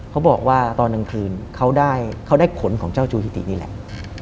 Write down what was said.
เขาบอกว่าตอนกลางคืนเขาได้ขนของเจ้าจูฮิตินี่แหละ